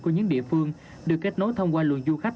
của những địa phương được kết nối thông qua luận du khách